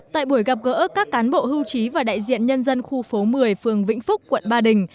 tại buổi gặp gỡ các cán bộ hưu trí và đại diện nhân dân khu phố một mươi phường vĩnh phúc quận ba đình